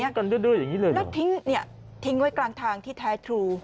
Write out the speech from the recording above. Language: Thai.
ทิ้งกันด้วยอย่างนี้เลยเหรอคะทิ้งไว้กลางทางที่แท้ทรู